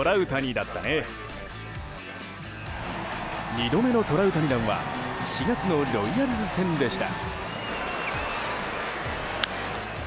２度目のトラウタニ弾は４月のロイヤルズ戦でした。